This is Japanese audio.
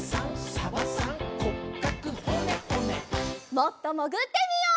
もっともぐってみよう。